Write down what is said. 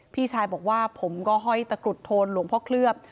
พี่ชายบอกว่าผมก็ห้อยตะกรุดโทนหลวงพ่อเคลือบ